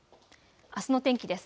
あすの天気です。